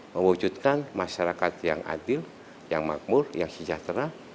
mewujudkan masyarakat yang adil yang makmur yang sejahtera